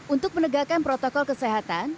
untuk menegakkan protokol kesehatan